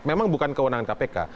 memang bukan keunangan kpk